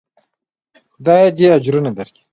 خداى دې اجرونه درکي.